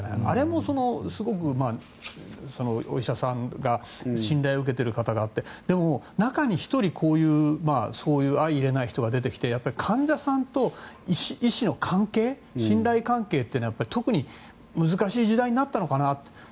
あれもすごくお医者さんが信頼を受けてる方がってでも中に１人こういう相いれない人が出てきて患者さんと医師の関係信頼関係というのは、特に難しい時代になったのかなと。